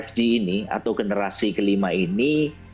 teknologi jaringan lima g ini atau generasi kelima ini